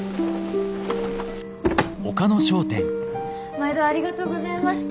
毎度ありがとうございました。